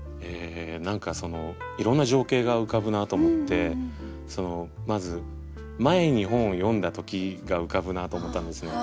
何かいろんな情景が浮かぶなと思ってまず前に本を読んだ時が浮かぶなと思ったんですね。